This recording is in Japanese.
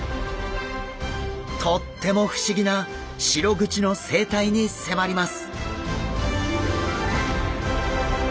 とっても不思議なシログチの生態に迫ります！